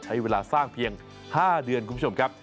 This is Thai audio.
ใช้เวลาสร้างเพียง๕เดือนคุณผู้ชมครับ